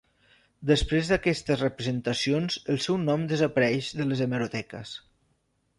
Després d'aquestes representacions el seu nom desapareix de les hemeroteques.